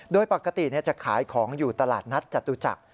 โดยปกติจะขายของอยู่ตลาดนัดจตุจักร